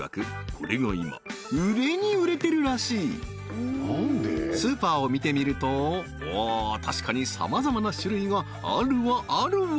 これが今売れに売れてるらしいスーパーを見てみるとおお確かに様々な種類があるわあるわ！